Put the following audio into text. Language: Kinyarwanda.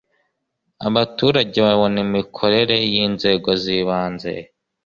abaturage babona imikorere y inzego z ibanze